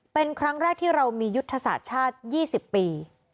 เป็นครั้งแรกที่เรามียุทธศาสตร์ชาติ๒๐ปี